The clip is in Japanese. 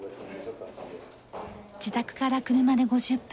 自宅から車で５０分。